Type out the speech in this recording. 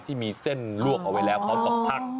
ที่มีเส้นลวกเอาไว้แล้วเขาก็พัก